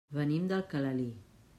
Venim d'Alcalalí.